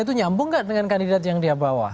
itu nyambung nggak dengan kandidat yang dia bawa